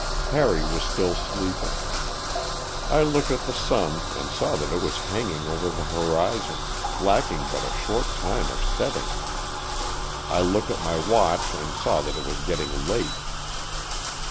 Harry was still sleeping. 1 looked at the sun and saw that it was hanging over the horizon, lacking but a short time of setting. I looked at my watch and saw that it was getting late.